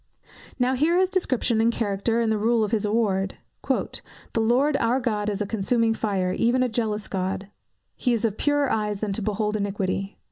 Now, hear his description and character and the rule of his award: "The Lord our God is a consuming fire, even a jealous God." "He is of purer eyes than to behold iniquity."